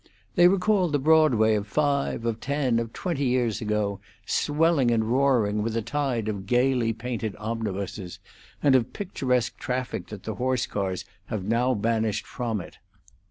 They recalled the Broadway of five, of ten, of twenty years ago, swelling and roaring with a tide of gayly painted omnibuses and of picturesque traffic that the horsecars have now banished from it.